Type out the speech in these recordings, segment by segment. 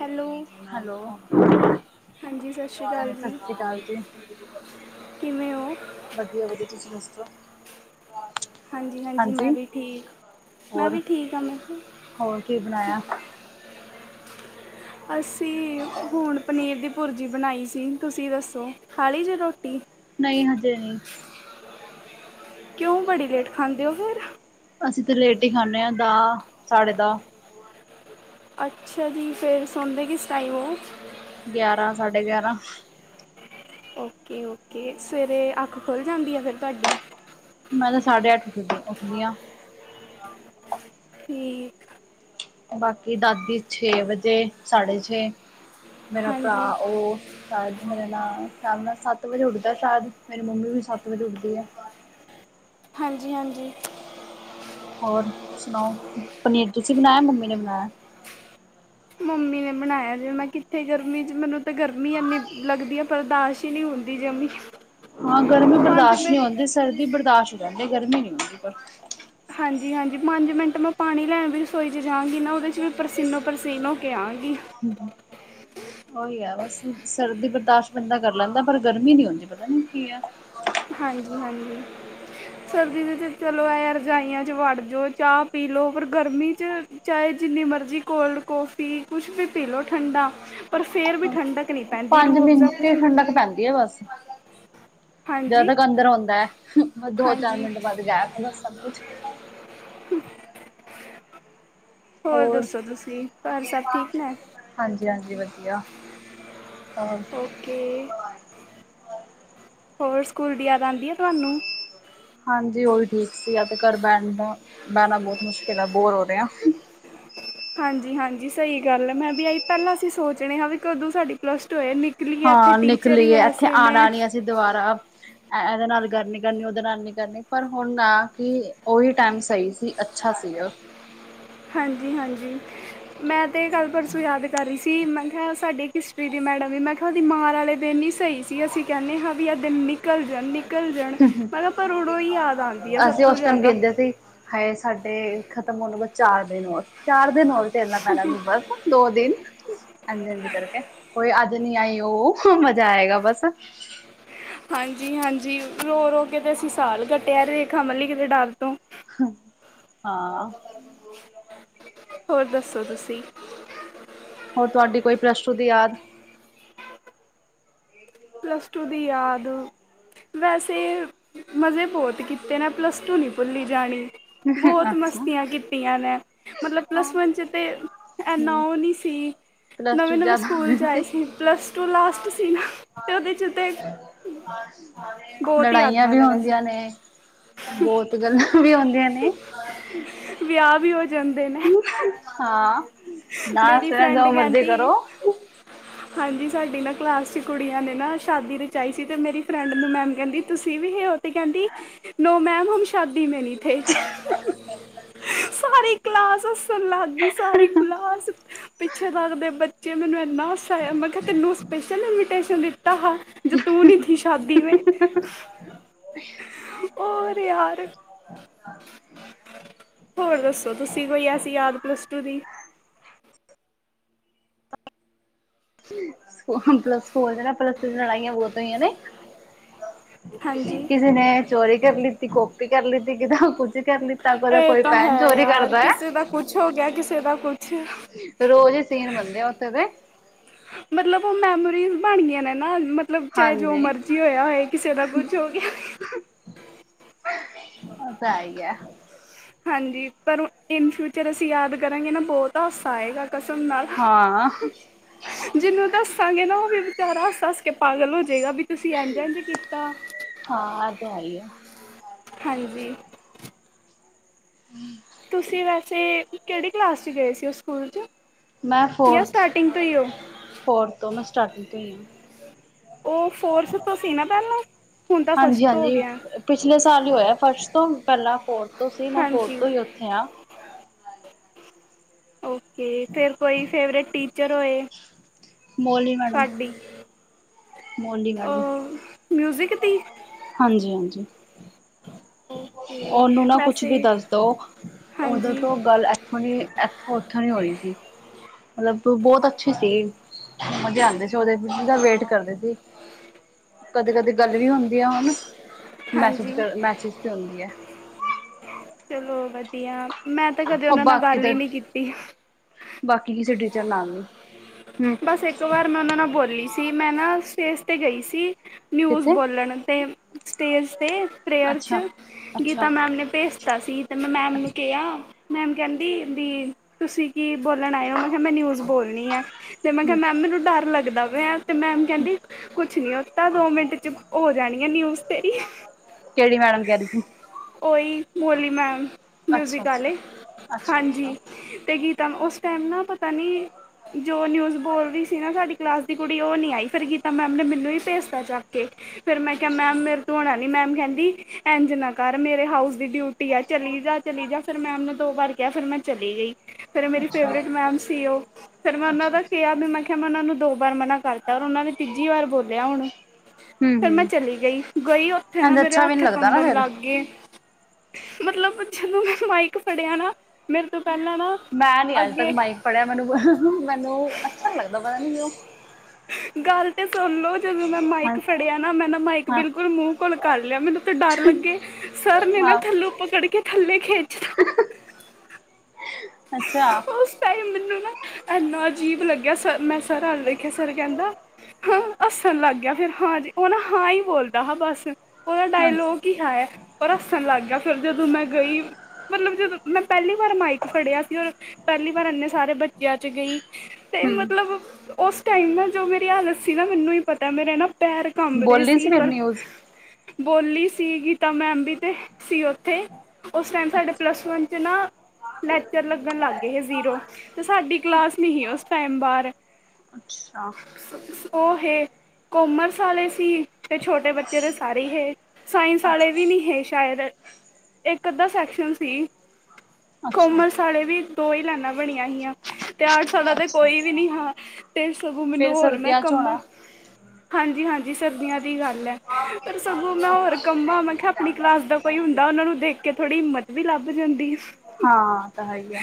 Hello hello. ਹਾਂਜੀ ਸਤਿ ਸ਼੍ਰੀ ਅਕਾਲ ਜੀ ਸਸ ਸ੍ਰੀ ਕਾਲ ਜੀ। ਕਿਵੇਂ ਓ? ਵਧੀਆ-ਵਧੀਆ ਤੁਸੀਂ ਦੱਸੋ? ਹਾਂਜੀ ਹਾਂਜੀ ਮੈਂ ਵੀ ਠੀਕ, ਮੈਂ ਹੋਰ ਵੀ ਠੀਕ ਆ ਮ ਖਾ। ਹੋਰ ਕੀ ਬਣਾਇਆ? [inaudible] ਅਸੀਂ ਹੁਣ ਪਨੀਰ ਦੀ ਭੁਰਜੀ ਬਣਾਈ ਸੀ, ਤੁਸੀਂ ਦੱਸੋ? ਖਾਲੀ ਜੇ ਰੋਟੀ? ਨਈ ਹਜੇ ਨਈ। ਕਿਉ, ਬੜੀ ਲੇਟ ਖਾਂਦੇ ਓ ਫਿਰ? ਅਸੀਂ ਤਾ ਲੇਟ ਹੀ ਖਾਂਨੇ ਹਾਂ ਦਹ, ਸਾਡੇ ਦਹ। ਅੱਛਾ ਜੀ ਫੇਰ ਸੌਦੇ ਕਿਸ ਟਾਈਮ ਹੋ? ਗਿਆਰਾਂ, ਸਾਡੇ ਗਿਆਰਾਂ। ਓਕੇ- ਓਕੇ ਸਵੇਰੇ ਅੱਖ ਖੁੱਲ ਜਾਂਦੀ ਆ ਫੇਰ ਤੁਹਾਡੀ? ਮੈਂ ਤਾਂ ਸ ਸਾਢੇ ਅੱਠ ਉੱਠ ਦੀ- ਉੱਠਦੀ ਹਾਂ। ਹਾਂ। ਠੀਕ। ਬਾਕੀ ਦਾਦੀ ਛੇ ਵਜੇ, ਸਾਢੇ ਛੇ ਮੇਰਾ ਹਾਂਜੀ ਭਰਾ ਉਹ। ਸ਼ਾਇਦ ਮੇਰੇ ਨਾਲ ਸ਼ਾਮ ਸੱਤ ਵਜੇ ਉੱਠਦਾ ਸ਼ਾਇਦ ਮੇਰੀ ਮੰਮੀ ਵੀ ਸੱਤ ਵਜੇ ਉੱਠਦੀ ਐ। ਹਾਂਜੀ- ਹਾਂਜੀ। ਹੋਰ ਸੁਣਾਓ? ਪਨੀਰ ਤੁਸੀਂ ਬਣਾਇਆ ਮੰਮੀ ਨੇ ਬਣਾਇਆ? ਮੰਮੀ ਨੇ ਬਣਾਇਆ ਜੇ ਮੈਂ ਕਿੱਥੇ ਗਰਮੀ ਚ ਮੈਨੂੰ ਤਾਂ ਗਰਮੀ ਇੰਨੀ ਲੱਗਦੀ ਹੈ ਬਰਦਾਸ਼ਤ ਹੀ ਨਹੀਂ ਹੁੰਦੀ ਜੇ। ਹਾਂ ਗਰਮੀ ਬਰਦਾਸ਼ਤ ਨਹੀਂ ਹੁੰਦੀ, ਸਰਦੀ ਬਰਦਾਸ਼ਤ ਹੋ ਜਾਂਦੀ ਹੈ, ਗਰਮੀ ਨੀ ਹੁੰਦੀ ਪਰ। ਹਾਂਜੀ ਹਾਂਜੀ ਪੰਜ ਮਿੰਟ ਮੈਂ ਪਾਣੀ ਲੈਣ ਵੀ ਰਸੋਈ 'ਚ ਜਾਵਾਂਗੀ ਨਾ ਉਹਦੇ 'ਚ ਵੀ ਪਰਸੀਨੋ ਪ੍ਰਸੀਨ ਹੋ ਕੇ ਆਂਗੀ। ਹਮ। [unintelligible] ਉਹੀ ਏ ਬਸ ਸਰਦੀ ਬਰਦਾਸ਼ਤ ਬੰਦਾ ਕਰ ਲੈਂਦਾ, ਪਰ ਗਰਮੀ ਨੀ ਹੁੰਦੀ ਪਤਾ ਨੀ ਕੀ ਐ। ਹਾਂਜੀ- ਹਾਂਜੀ। ਸਰਦੀ ਦੇ ਚਲੋ ਇਹ ਏ ਰਜਾਈਆਂ ਚ ਵੱੜ ਜਉ ਚਾਹ ਪੀ ਲਓ ਪਰ ਗਰਮੀ ਚ। ਚਾਹੇ ਜਿੰਨੀ ਮਰਜ਼ੀ ਕੋਲਡ ਕਾਫੀ ਕੁਛ ਵੀ ਪੀ ਲਓ ਠੰਡਾ। ਪਰ ਫੇਰ ਵੀ ਠੰਡਕ ਨੀ ਪੈਂਦੀ ਰੂਹ ਅਫ਼ਜ਼ਾ ਕੁਛ ਵੀ। ਧਰ ਪੈਂਦੀ ਐ ਬਸ। ਜਦੋਂ ਹਾਂਜੀ ਤੱਕ ਅੰਦਰ ਆਉਂਦਾ ਹੈ, ਬਸ ਦੋ ਚਾਰ ਹਾਂਜੀ ਮਿੰਟ ਬਾਅਦ ਗੈਬ ਹੋਂਦਾ ਸਭ ਕੁਛ। [unintelligible] ਹੋਰ ਦੱਸੋ ਤੁਸੀਂ ਘਰ ਸਭ ਠੀਕ ਨੇ ਹਾਂਜੀ- ਹਾਂਜੀ ਵਧੀਆ। ਹਾਂ। ਓਕੇ। ਹੋਰ ਸਕੂਲ ਦੀ ਯਾਦ ਆਂਦੀ ਏ ਤੁਹਾਨੂੰ? ਹਾਂਜੀ ਉਹੀ ਠੀਕ ਸੀਗਾ ਤੇ ਘਰ ਬਹਿਣ ਦਾ ਬਹਿਣਾ ਬੋਤ ਮੁਸ਼ਕਿਲ ਐ ਬੋਰ ਹੋ ਰਹੇ ਆ। ਹਾਂਜੀ-ਹਾਂਜੀ ਸਹੀ ਗੱਲ ਐ ਮੈਂ ਵੀ ਆਈ ਪਹਿਲਾਂ ਅਸੀਂ ਸੋਚਣੇ ਹਾਂ ਵੀ ਕਦੋਂ ਸਾਡੀ ਪਲੱਸ ਟੂ ਹੋਏ ਨਿਕ ਹਾਂ ਨਿਕਲੀਏ ਐਥੇ ਆਣਾ ਨੀ ਅਸੀਂ ਦੁਬਾਰਾ ਐ ਇਹਦੇ ਨਾਲ ਗੱਲ ਨੀ ਕਰਨੀ ਉਹਦੇ ਨਾਲ ਨੀ ਕਰਨੀ ਪਰ ਹੁਣ ਹਾ ਕਿ ਓਹੀ ਟਾਈਮ ਸਹੀ ਸੀ। ਅੱਛਾ ਸੀਗਾ। ਹਾਂਜੀ-ਹਾਂਜੀ ਮੈਂ ਤੇ ਗੱਲ ਪਰਸੋਂ ਯਾਦ ਕਰ ਰਹੀ ਸੀ। ਸੀ ਮੈਂ ਕਿਹਾ ਸਾਡੀ ਹਿਸਟਰੀ ਦੀ ਮੈਡਮ ਵੀ ਮੈਂ ਕਿਹਾ ਉਹਦੀ ਮਾਰ ਆਲੇ ਦਿਨ ਈ ਸਹੀ ਸੀ ਅਸੀਂ ਕਹਿਨੇ ਹਾਂ ਵੀ ਐਹ ਦਿਨ ਨੀ ਨਿਕਲ ਜਾਣ- ਨਿਕਲ ਜਾਣ ਪਰ ਹੁਣ ਓਡੋ ਈ ਯਾਦ ਆਦੀ ਐ ਸਭ ਅਸੀਂ ਤੋਂ ਉਸ ਟਾਈਮ ਜ਼ਿਆਦਾ। ਗਿਣਦੇ ਸੀ ਹਾਏ ਸਾਡੇ ਖ਼ਤਮ ਹੋਣ ਨੂੰ ਬਸ ਚਾਰ ਦਿਨ ਔਰ- ਚਾਰ ਦਿਨ ਔਰ। ਤੇਲਨਾ ਪੈਣਾ ਨੂੰ ਬਸ ਦੋ ਦਿਨ ਹਾਂਜੀ-ਹਾਂਜੀ ਕਰਕੇ ਕੋਈ ਅੱਜ ਆਜ ਨੀ ਆਈ ਓ, ਮਜ਼ਾ ਆਏਗਾ ਬਸ। ਹਾਂਜੀ-ਹਾਂਜੀ ਰੋ-ਰੋ ਕੇ ਤੇ ਅਸੀਂ ਸਾਲ ਕੱਟੇਆ ਰੇਖਾ ਮੱਲੀ ਕਿਤੇ ਡਰ ਤੋਂ। ਹਾਂ। ਹੋਰ ਦੱਸੋ ਤੁਸੀਂ? ਹੋਰ ਤੁਹਾਡੀ ਕੋਈ ਪਲਸਟੂ ਦੀ ਯਾਦ? ਪਲੱਸਟੂ ਦੀ ਯਾਦ ਵੈਸੇ ਮਜ਼ੇ ਬੋਤ ਕੀਤੇ ਨੇ ਪਲੱਸਟੂ ਨੀ ਭੁੱਲੀ ਜਾਣੀ। ਬੋਤ ਅੱਛਾ ਮਸਤੀਆਂ ਕੀਤੀਆਂ ਨੇ। ਮਤਲਬ ਹਮ ਪਲੱਸ-ਵਨ ਚ ਤੇ ਐਨਾ ਓ ਨੀ ਸੀ ਪਲੱਸ ਟੂ ਨਵੇਂ-ਨਵੇਂ ਜ਼ਿਆਦਾ ਸਕੂਲ ਚ ਹੋਏ ਆਏ ਸੀ। ਪਲੱਸਟੂ ਲਾਸਟ ਸੀਨਾ। ਬਹੁਤ ਹੀ ਲੜਾਈਆਂ ਯਾਦਾਂ ਵੀ ਨੇ ਵੈਸੇ ਹੁੰਦੀਆਂ ਨੇ ਬਹੁਤ ਗੱਲਾਂ ਵੀ ਹੁੰਦੀਆਂ ਨੇ। ਵਿਆਹ ਵੀ ਹੋ ਜਾਂਦੇ ਨੇ। ਹਾਂ ਨਾ ਮੇਰੀ ਫਰੈਂਡ ਜੋ ਮਰਜ਼ੀ ਕਹਿੰਦੀ ਕਰੋ। ਹਾਂਜੀ ਸਾਡੀ ਨਾ ਕਲਾਸ ਚ ਕੁੜੀਆਂ ਨੇ ਨਾ ਸ਼ਾਦੀ ਰਚਾਈ ਸੀ ਤੇ ਮੇਰੀ ਫਰੈਂਡ ਨੂੰ ਮੈਮ ਕਹਿੰਦੀ ਤੁਸੀਂ ਵੀ ਸੀ ਓ ਕਹਿੰਦੀ ਨੋ ਮੈਮ ਹਮ ਸ਼ਾਦੀ ਮੇ ਨੀ ਥੇ ਸਾਰੀ ਕਲਾਸ ਹੱਸਣ ਲਾਗੀ ਸਾਰੀ ਕਲਾਸ ਪਿੱਛੇ ਤੱਕ ਦੇ ਬੱਚੇ ਮੈਨੂੰ ਐਨਾ ਹਸਾਇਆ ਮੈਂ ਕਿਹਾ ਤੈਨੂੰ ਸਪੈਸ਼ਲ ਇਨਵੀਟੇਸ਼ਨ ਦਿੱਤ ਤਾਂ ਹਾਂ ਜੋ ਤੂੰ ਨੀ ਥੀ ਸ਼ ਸ਼ਾਦੀ ਮੇ ਹੋਰ ਯਾਰ ਹੋਰ ਦੱਸੋ ਤੁਸੀਂ ਕੋਈ ਐਸੀ ਯਾਦ ਪਲੱਸਟੂ ਦੀ। ਹੁਣ ਪੱਲਸਟੂ ਪਲੱਸਟੂ ਚ ਲੜਾਈਆਂ ਬਹੁਤ ਹੋਈਆਂ ਨੇ। ਹਾਂਜੀ ਕਿਸੀ ਨੇ ਚੋਰੀ ਕਰ ਲਿੱਤੀ ਕੋਪੀ ਕਰ ਲਿੱਤੀ ਕੀਦਾ ਕੁਝ ਕਰ ਲਿ ਦਾ ਇਹ ਕੋਈ ਤਾਂ ਪੈਨ ਹੈ ਚੋਰੀ ਯਾਰ ਕਰਦਾ ਐ। ਕਿਸੇ ਦਾ ਕੁਛ ਹੋ ਗਿਆ ਕਿਸੇ ਦਾ ਕੁਛ। ਰੋਜ਼ ਈ ਸੀਨ ਬਨਦੇ ਆ ਓਥੇ ਤੇ ਮਤਲਬ ਉਹ ਮੈਮੋਰੀਜ਼ ਬਣ ਗਈਆਂ ਨੇ ਨਾ ਮ ਮਤਲਬ ਚਾਹੇ ਜੋ ਹਾਂਜੀ ਮਰਜ਼ੀ ਹੋਇਆ ਹੋਏ ਕਿਸੇ ਦਾ ਕੁਝ ਹੋ ਗਿਆ ਏ। ਓ ਤਾਂ ਐ ਈ ਐ। ਹਾਂਜੀ ਪਰ ਓ ਇਨ-ਫਿਊਚਰ ਅਸੀਂ ਯਾਦ ਕਰਾਂਗੇ ਨਾ ਬਹੁਤ ਬਹੁਤ ਹਸਾਏਗਾ ਕਸਮ ਨਾਲ। ਹਾਂ ਜਿਹਨੂੰ ਦੱਸਾਂਗੇ ਨਾ ਉਹ ਵੀ ਵਿਚਾਰਾ ਹੱਸ-ਹੱਸ ਕੇ ਪਾਗਲ ਹੋਜੇਗਾ ਵੀ ਤੁਸੀਂ ਐਝ-ਐਝ ਕੀਤਾ ਹਾਂ ਤੇ ਹੈ ਹੀ ਆ ਹਾਂਜੀ। ਤੁਸੀਂ ਵੈਸੇ ਕੇੜੀ ਕਲਾਸ ਚ ਗਏ ਸੀ ਉਹ ਸਕੂਲ ਚ? ਮੈਂ ਜਾਂ ਸਟਾਰਟਿੰਗ ਤੋਂ ਹੀ ਹੋ ਫੋਰਥ-ਫੋਰਥ ਤੋਂ ਮੈਂ ਸਟਾਰਟਿੰਗ ਤੋਂ ਈ ਆ। ਉਹ ਫੋਰਥ ਤੋਂ ਸੀ ਨਾ ਪਹਿਲਾਂ ਹੁਣ ਤਾਂ ਹਾਂਜੀ ਫਸਟ ਹੋ ਹਾਂਜੀ ਗਿਆ। ਪਿਛਲੇ ਸਾਲ ਈ ਹੋਇਆ ਫਸਟ ਤੋਂ ਪਹਿਲਾਂ ਫੋਰਥ ਤੋਂ ਸੀ ਮੈਂ ਫੋਰਥ ਹਾਂਜੀ ਤੋਂ ਈ ਓਥੇ ਆ। ਓਕੇ ਫੇਰ ਕੋਈ ਫੇਵਰੇਟ ਟੀਚਰ ਹੋਏ? ਮੌਲੀ ਮੈਡਮ ਤੁਹਾਡੀ ਮੌਲੀ ਮੈਡਮ ਮਿਊਜ਼ਿਕ ਦੀ ਹਾਂਜੀ ਹਾਂਜੀ ਓਕੇ ਉਹਨੂੰ ਨਾ ਕੁਛ ਵੈਸੇ ਵੀ ਦੱਸ ਦੋ ਦ ਹਾਂਜੀ ਤੋਂ ਗੱਲ ਹੁੰਨੇ ਉਥੋਂ ਇਥੋਂ ਉੱਥੋਂ ਨ ਹੋਈਏਗ ਮਤਲਬ ਬਹੁਤ ਅੱਛੀ ਸੀ ਮਜ਼ੇ ਆਉਂਦੇ ਸੀ ਉਹਦੇਤ ਵੇਟ ਕਰਦੇ ਸੀ ਕਦੇ ਕਦੇ ਗੱਲ ਵੀ ਹੁੰਦੀ ਆ ਹਨਣ ਮੈਸੇਜ ਹਾਂਜੀ ਕਰਦੇ ਮੈਸੇਜ ਹੁੰਦੀ ਹੈ ਚਲੋ ਵਧੀਆ ਮੈਂ ਤਾਂ ਕਦੇ ਉਹ ਉਹਨਾਂ ਨਾਲ ਬਾਕੀ ਗੱਲ ਤਾਂ ਹੀ ਨਹੀਂ ਕੀਤੀ ਬਾਕੀ ਕਿਸੇ ਟੀਚਰ ਨਾਲ ਨੀ ਹਮ ਬਸ ਇੱਕ ਵਾਰ ਮੈਂ ਉਹਨਾਂ ਨਾਲ ਬੋਲੀ ਸੀ ਮੈਂ ਨਾ ਸਟੇਜ ਤੇ ਗਈ ਸੀ ਨਿਊਜ਼ ਕਿੱਥੇ ਬੋਲਣ ਤੇ ਸਟੇਜ 'ਤੇ ਪ੍ਰੇਅਰ 'ਚ ਅੱਛਾ ਅੱਛਾ ਗੀਤਾ ਮੈਮ ਨੇ ਭੇਜ ਤਾ ਸੀ ਤੇ ਮੈਂ ਮੈਮ ਨੂੰ ਅੱਛਾ ਕਿਹਾ ਮੈਮ ਕਹਿੰਦੀ ਵੀ ਤੁਸੀਂ ਕੀ ਬੋਲਣ ਆਇਓ ਮੈਂ ਮੈਂ ਨਿਊਜ ਬੋਲਣੀ ਆ ਤੇ ਮੈਂ ਕਿਹਾ ਮੈਮ ਮੈਨੂੰ ਡਰ ਲੱਗਦਾ ਪ ਤੇ ਮੈਮ ਕਹਿੰਦੀ ਕੁਛ ਨੀ ਉ ਤਾਂ ਦੋ ਮਿੰਟ ਚ ਹੋ ਜਾਣੀ ਆ ਨਿਊਜ਼ ਤੇਰੀ ਕਿਹੜੀ ਮੈਡਮ ਕਹਿ ਰਹੀ ਸੀ। ਉਹੀ ਭੋਲੀ ਮੈਮ ਅੱਛਾ ਮਿਊਜ਼ਿਕ ਅੱਛਾ ਵਾਲੇ ਅੱਛਾ ਅੱਛਾ ਹਾਂਜੀ ਤੇ ਗੀ ਉਸ ਟਾਈਮ ਨਾ ਪਤਾ ਨਹੀਂ ਜੋ ਨਿਊਜ਼ ਬੋਲ ਰਹੀ ਸੀ ਨਾ ਸਾਡੀ ਕਲਾਸ ਦੀ ਕੁੜੀ ਉਹ ਨਹੀਂ ਆਈ ਫਿਰ ਗੀਤਾ ਮੈਮ ਨੇ ਮੈਨੂੰ ਹੀ ਭੇਜਤਾ ਚੱਕ ਕੇ ਫਿਰ ਮੈਂ ਕਿਹਾ ਮੈਮ ਮੇਰੇ ਤੋਂ ਹੋਣਾ ਨੀ ਮੈਮ ਕਹਿੰਦੀ ਇੰਝ ਨਾ ਕਰ ਮੇਰੇ ਹਾਊਸ ਡਿਊਟੀ ਆ ਚਲੀ ਜਾ ਚਲੀ ਜਾ ਫਿਰ ਮੈਮ ਨੇ ਦੋ ਵਾਰ ਕਿਹਾ ਫਿਰ ਮੈਂ ਚਲੀ ਗਈ ਫਿਰ ਅੱਛਾ ਮੇਰੀ ਫੇਵਰੇਟ ਅੱਛਾ ਮੈਮ ਸੀ ਉਹ ਫਿਰ ਮੈਂ ਉਹਨਾਂ ਦਾ ਅੱਛਾ ਕਿਹਾ ਵੀ ਮੈਂ ਕਿਹਾ ਮੈਂ ਉਹਨਾਂ ਨੂੰ ਦੋ ਬਾਰ ਮਨਾ ਕਰ ਉਹਨਾਂ ਨੇ ਤੀਜੀ ਵਾਰ ਬੋਲਿਆ ਹੁਣ ਹੂੰ ਫਿਰ ਹੂੰ ਮੈਂ ਚਲੀ ਗਈ ਗਈ ਕੋਈ ਉੱਥੇ ਨਾ ਇੰਝ ਮੇਰੇ ਅੱਛਾ ਵੀ ਨੀ ਲੱਗਦਾ ਨਾ ਫੇਰ ਗੇ ਮਤਲਬ ਚਲੋ ਮਾਈਕ ਫੜਿਆ ਨਾ ਮੇਰੇ ਤੋਂ ਪਹਿਲਾਂ ਨਾ ਮੈਂ ਨੀ ਅੱਜ ਤੱਕ ਅੱਗੇ ਮਾਈਕ ਫੜਿਆ ਮੈਨੂੰ ਮੈਨੂੰ ਅੱਛਾ ਨੀ ਲੱਗਦਾ ਪਤਾ ਨੀ ਕਿਉਂ ਗੱਲ ਤੇ ਸੁਣ ਲੋ ਜਦੋਂ ਮੈਂ ਹਾਂ ਮਾਈਕ ਫੜਿਆ ਨਾ ਮੈਂ ਨਾ ਮਾਈਕ ਹਾਂ ਬਿਲਕੁਲ ਮੂੰਹ ਕੋਲ ਕਰ ਲਿਆ ਮੈਨੂੰ ਤਾਂ ਡਰ ਲੱਗੇ ਸਰ ਨੇ ਨਾ ਹਾਂ ਥੱਲੋਂ ਪਕੜ ਕੇ ਥੱਲੇ ਖੇੱਚ [unintelligible] ਅੱਛਾ ਉਸ ਟਾਈਮ ਮੈਨੂੰ ਨਾ ਇੰਨਾ ਅਜੀਬ ਲੱਗਿਆ ਸਰ ਘਰ ਵੇਖਿਆ ਸਰ ਕਹਿੰਦਾ ਹਾਂ। ਹੱਸਣ ਲੱਗ ਗਿਆ ਫਿਰ ਹਾਂ ਜੀ ਉਹ ਨਾ ਹਾਂ ਹੀ ਬੋਲਦਾ ਬਸ ਉਹਦਾ ਹਾਂਜੀ ਡਾਇਲੋਗ ਕੀ ਖਾਇਆ ਪਰ ਹੱਸਣ ਲੱਗ ਗਿਆ ਫਿਰ ਜਦੋਂ ਮੈਂ ਗਈ ਮਤਲਬ ਜਦੋਂ ਮੈਂ ਪਹਿਲੀ ਵਾਰ ਮਾਈਕ ਫੜਿਆ ਸੀ ਹੋਰ ਪਹਿਲੀ ਵਾਰ ਇੰਨੇ ਸਾਰੇ ਬੱਚਿਆਂ ਚ ਗਈ ਤੇ ਹੂੰ ਮਤਲਬ ਉਸ ਟਾਈਮ ਨਾਲ ਜੋ ਮੇਰੀ ਹਾਲਤ ਸੀ ਨਾ ਮੈਨੂੰ ਹੀ ਪਤਾ ਮੇਰੇ ਨਾ ਪੈਰ ਕੰਬ ਰਹੇ ਬੋਲੀ ਸੀ ਫਿਰ ਪਰ ਨਿਊਜ਼ ਬੋਲੀ ਸੀਗੀ ਗੀਤਾ ਮੈਮ ਤੇ ਸੀ ਉੱਥੇ ਉਸ ਟਾਈਮ ਸਾਡੇ ਅੱਛਾ ਪਲਸ ਵਨ 'ਚ ਨਾ ਲੈਕਚਰ ਲੱਗਣ ਲੱਗ ਗਏ ਜ਼ੀਰੋ ਤੇ ਸਾਡੀ ਕਲਾਸ ਨਹੀਂ ਸੀ ਉਸ ਟਾਈਮ ਬਾਹਰ ਅੱਛਾ ਉਹ ਇਹ ਕੋਮਰਸ ਵਾਲੇ ਸੀ। ਤੇ ਛੋਟੇ ਬੱਚੇ ਤੇ ਸਾਰੇ ਇਹ ਸਾਇੰਸ ਵਾਲੇ ਵੀ ਅੱਛਾ ਨਹੀਂ ਹੈ ਸ਼ਾਇਦ ਇੱਕ ਅੱਧਾ ਸੈਕਸ਼ਨ ਸੀ ਕੋਮਰਸ ਵਾਲੇ ਵੀ ਦੋ ਹੀ ਲਾਈਨਾਂ ਬਣੀਆਂ ਹੀਆਂ ਤੇ ਅਠ ਸਾਲਾਂ ਤੇ ਅੱਛਾ ਕੋਈ ਵੀ ਅੱਛਾ ਨੀ ਹਾਂ ਤੇ ਸਗੋਂ ਮੈਨੂੰ ਫਿਰ ਹੋਰ ਮੈਂ ਸਰਦੀਆਂ ਚ ਕੰਮਾ ਹੋਣਾ ਹਾਂਜੀ ਹਾਂਜੀ ਸਰਦੀਆਂ ਦੀ ਗੱਲ ਐ ਪਰ ਸਗੋਂ ਮੈਂ ਹੋਰ ਕੰਮਾ ਮੈਂ ਕਿਹਾ ਆਪਣੀ ਕਲਾਸ ਦਾ ਕੋਈ ਹੁੰਦਾ ਉਹਨਾ ਨੂੰ ਦੇਖ ਕੇ ਥੋੜੀ ਹਿੰਮਤ ਵੀ ਲੱਭ ਜਾਂਦੀ ਹਾਂ ਉਹ ਤਾਂ ਹੈ ਹੀ ਆ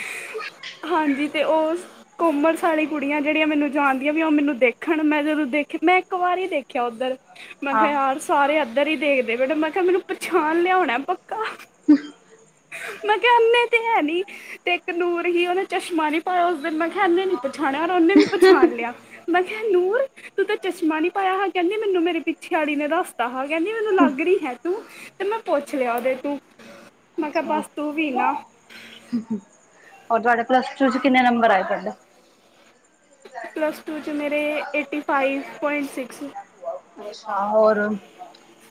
ਹਾਂਜੀ ਤੇ ਉਹ ਕੋਮਰਸ ਵਾਲੀ ਕੁੜੀਆਂ ਜਿਹੜੀਆਂ ਮੈਨੂੰ ਜਾਣਦੀਆਂ ਵੀ ਉਹ ਮੈਨੂੰ ਦੇਖਣ ਮੈਂ ਜਦੋਂ ਦੇਖ ਮੈਂ ਇੱਕ ਵਾਰ ਹੀ ਦੇਖਿਆ ਉੱਧਰ ਮੈਂ ਹਾਂ ਕਿਹਾ ਯਾਰ ਸਾਰੇ ਇੱਧਰ ਹੀ ਦੇਖਦੇ ਬੇਟਾ ਮੈਂ ਕਿਹਾ ਮੈਨੂੰ ਪਛਾਣ ਲਿਆ [unintelligible] ਮੈਂ ਕਿਹਾ ਉਨੇ ਦਿਨ ਕਹਿੰਦੀ ਤੇ ਇੱਕ ਨੂਰ ਹੀ ਉਹਨੇ ਚਸ਼ਮਾ ਨੀ ਪਾਇਆ ਉਸ ਦਿਨ ਮੈਂ ਇੰਨੇ ਨੀ ਪਛਾਣਿਆ ਯ ਉਹਨੇ ਵੀ ਪਛਾਣ ਲਿਆ ਮੈਂ ਕਿਹਾ ਨੂਰ ਤੂੰ ਤਾਂ ਚਸ਼ਮਾ ਨੀ ਪਾਇਆ ਕਹਿੰਦੀ ਮੈਨੂੰ ਮੇਰੀ ਪਿੱਛੇ ਵਾਲੀ ਨੇ ਦੱਸਤਾ ਕਹਿੰਦੀ ਉਹਨੂੰ ਲੱਗ ਰਹੀ ਹੈ ਤੂੰ ਤੇ ਮੈਂ ਪੁੱਛ ਲਿਆ ਉਹਦੇ ਤੋਂ ਮੈਂ ਕਿਹਾ ਬਸ ਤੂੰ ਵੀ ਨਾ ਹੂੰ-ਹੂੰ ਔਰ ਤੁਹਾਡੇ ਪਲੱਸ ਟੂ ਚ ਕਿੰਨੇ ਨੰਬਰ ਆਏ ਤੁਹਾਡਾ? ਪਲੱਸ ਟੂ 'ਚ ਮੇਰੇ ਏਟੀ ਫਾਈਵ ਪੁਆਇੰਟ ਸਿਕਸ। ਹਾਂ ਹੋਰ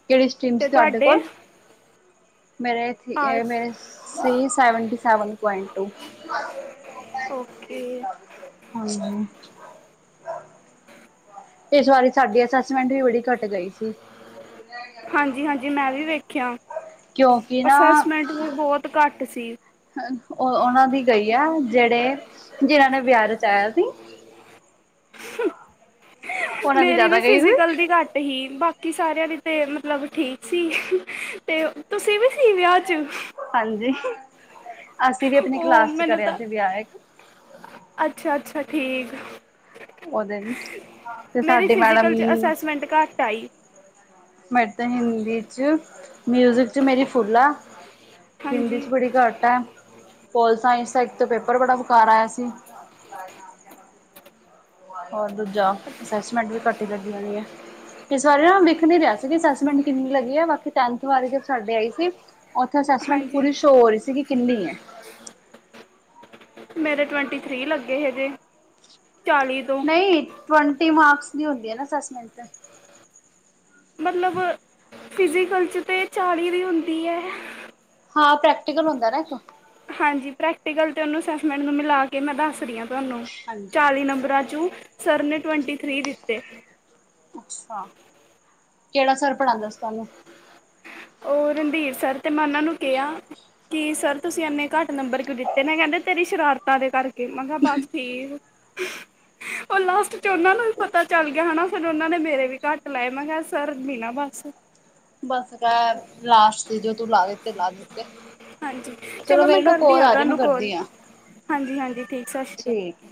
ਕਿਹੜੀ ਸਟਰੀਮ ਸੀ ਤੁਹਾਡੇ ਕੋਲ ਮੇਰੇ ਇਹ ਆਰਟਸ ਮੇਰੇ ਸੀ seventy seven point two. Okay. [unintelligible] [inaudible] ਇਸ ਵਾਰੀ ਸਾਡੀ ਅਸੈਸਮੈਂਟ ਵੀ ਬੜੀ ਘੱਟ ਗਈ ਸੀ। ਹਾਂਜੀ-ਹਾਂਜੀ ਮੈਂ ਵੀ ਵੇਖਿਆ ਕਿਉਂਕਿ ਨਾ ਅਸੈਸਮੈਂਟ ਵੀ ਬੋਤ ਘੱਟ ਸੀ। ਓ ਉਨਾਂ ਦੀ ਗਈ ਆ ਜੇੜੇ ਜਿਨਾਂ ਨੇ ਵਿਆਹ ਰਚਾਇਆ ਸੀ। ਹੂੰ ਉਹਨਾਂ ਦੀ ਮੇਰੀ ਵੀ ਜ਼ਿਆਦਾ ਗਈ ਸੀ ਫਿਜੀਕਲ ਦੀ ਘੱਟ ਹੀ ਬਾਕੀ ਕਿ ਸਾਰਿਆਂ ਲਈ ਤੇ ਮਤਲਬ ਠੀਕ ਸੀ ਤੇ ਤੁਸੀਂ ਵੀ ਸੀ ਵਿਆਹ 'ਚ ਹਾਂਜੀ ਅਸੀ ਵੀ ਆਪਣੀ ਕਲਾਸ 'ਚ ਕਰਿਆ ਸੀ ਵਿਆਹ ਇਕ ਅੱਛਾ-ਅੱਛਾ ਠੀਕ। ਉਹਦੇ ਚ ਤੇ ਮੇਰੀ ਸਾਡੀ ਮੈਡਮ ਫਿਜ਼ਕਲ 'ਚ ਅਸੈਸਮੈਂਟ ਘੱਟ ਆਈ। ਮੇੜ ਤੇ ਹਿੰਦੀ 'ਚ ਮਿਊਜਿਕ 'ਚ ਮੇਰੀ ਫੁਲ ਆ। ਹਿੰਦੀ ਹਾਂਜੀ 'ਚ ਬੜੀ ਘੱਟ ਐ ਪੋਲ ਸਾਇੰਸ ਦਾ ਇੱਕ ਤਾ ਪੇਪਰ ਬੜਾ ਬੇਕਾਰ ਆਇਆ ਸੀ। ਹੋਰ ਦੂਜਾ ਅਸੈਸਮੈਂਟ ਵੀ ਘੱਟ ਈ ਲੱਗੀ ਹੋਣੀ ਆ। ਇਸ ਬਾਰੇ ਨਾ ਵੇਖ ਨੀ ਰਿਆ ਸੀ ਅਸਸਮੈਂਟ ਕਿੰਨੀ ਲੱਗੀ ਏ ਬਾਕੀ ਟੈਥ ਵਾਲੇ ਸਾਡੇ ਆਈ ਸੀ। ਉੱਥੇ ਅਸੈਸਮੈਂਟ ਹਾਂਜੀ ਪੂਰੀ ਸੋ ਹੋ ਰਈ ਸੀ ਕਿ ਕਿੰਨੀ ਮੇਰੇ ਟਵੰਟੀ ਥਰੀ ਲੱਗੇ ਏਦੇ ਚਾਲੀ ਤੋਂ ਨਈ ਟਵੰਟੀ ਮਾਰਕਸ ਦੀ ਹੁੰਦੀ ਆ ਨਾ ਅਸੈਸਮੈਂਟ ਮਤਲਬ ਫਿਜ਼ੀਕਲ 'ਚ ਤਾਂ ਚਾਲੀ ਦੀ ਹੁੰਦੀ ਐ। ਹਾਂ ਪ੍ਰੈਕਟੀਕਲ ਹੁੰਦਾ ਨਾ ਇੱਕ ਹਾਂਜੀ ਪ੍ਰੈਕਟੀਕਲ ਤੇ ਉਨੂੰ ਅਸੈਸਮੈਂਟ ਨੂੰ ਮਿਲਾ ਕੇ ਮੈਂ ਦੱਸ ਰਈ ਆਂ। ਤੁਹਾਨੂੰ ਹਾਂਜੀ ਚਾਲੀ ਨੰਬਰਾਂ ਚੋਂ ਸਰ ਨੇ ਟਵੰਟੀ ਥਰੀ ਦਿੱਤੇ। ਅੱਛਾ ਕੇੜਾ ਸਰ ਪੜ੍ਹਾਂਦਾ ਸੀ ਤੁਹਾਨੂੰ ਓ ਰਣਧੀਰ ਸਰ ਤੇ ਮੈਂ ਉਨਾਂ ਨੂੰ ਕਿਆ ਕਿ ਸਰ ਤੁਸੀਂ ਇੰਨੇ ਘੱਟ ਨੰਬਰ ਕਿਉ ਦਿੱਤੇ ਨੇ ਕੈਂਦੇ ਤੇਰੀ ਸ਼ਰਾਰਤਾਂ ਦੇ ਕਰ ਮੈਂ ਕਿਆ ਬਸ ਠੀਕ। ਓ ਲਾਸਟ 'ਚ ਉਨਾਂ ਨੂੰ ਵੀ ਪਤਾ ਚੱਲ ਗਿਆ ਹਨਾ ਫਿਰ ਉਨਾਂ ਨੇ ਮੇਰੇ ਵੀ ਘੱਟ ਲਾਏ ਮੈਂ ਕਿਆ ਸਰ ਮੀ ਨਾ ਬਸ ਬਸ ਤਾ ਲਾਸਟ ਸੀ ਜੋ ਤੂੰ ਲਾ ਦਿੱਤੇ ਲਾ ਦਿੱਤੇ। ਹਾਂਜੀ ਚਲੋ ਮੈਂ ਮੇਰੇ ਨਾ ਕਰਦੀ ਕੋਲ ਹ ਆ ਰਹੀ ਮੈਂ ਤੁਹਾਨੂੰ ਕਾੱਲ ਕਰਦੀ ਹਾਂ ਹਾਂਜੀ-ਹਾਂਜੀ ਠੀਕ ਸਤਿ ਸ੍ਰੀ ਅਕਾਲ। ਠੀਕ